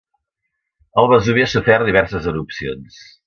El Vesuvi ha sofert diverses erupcions.